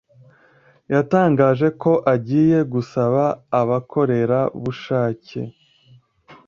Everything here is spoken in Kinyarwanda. yatangaje ko agiye gusaba abakorerabushake